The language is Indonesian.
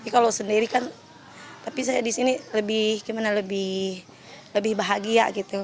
kalau sendiri kan tapi saya di sini lebih gimana lebih bahagia gitu